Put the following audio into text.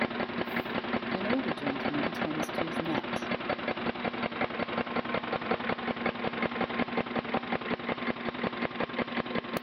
An older gentleman tends to his net